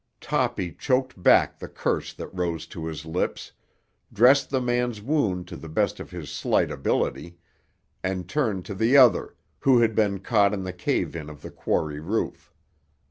Toppy choked back the curse that rose to his lips, dressed the man's wound to the best of his slight ability, and turned to the other, who had been caught in the cave in of the quarry roof.